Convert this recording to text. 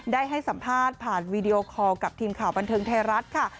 ได้ให้สัมภาษณ์ผ่านวีดีโอคอลกับทีมข่าวบันเทิงไทยรัฐค่ะ